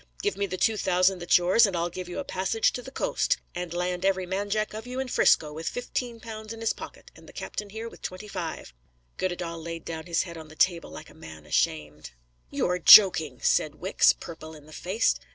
Give me the two thousand that's yours, and I'll give you a passage to the coast, and land every man jack of you in 'Frisco with fifteen pounds in his pocket, and the captain here with twenty five." Goddedaal laid down his head on the table like a man ashamed. "You're joking," said Wicks, purple in the face.